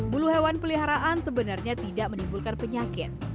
bulu hewan peliharaan sebenarnya tidak menimbulkan penyakit